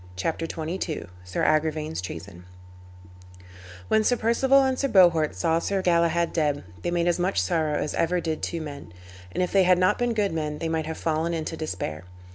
CHAPTER XXII SIR AGRIVAIN'S TREASON When Sir Perceval and Sir Bohort saw Sir Galahad dead they made as much sorrow as ever did two men. And if they had not been good men they might have fallen into despair.